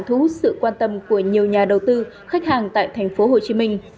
thu hút sự quan tâm của nhiều nhà đầu tư khách hàng tại thành phố hồ chí minh